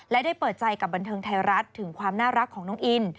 และได้เปิดใจกับบันเทิงไทยรัฐถึงความน่ารักของน้องอิน